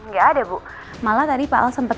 nggak ada bu malah tadi pak al sempet